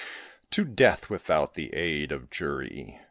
To death without the aid of jury!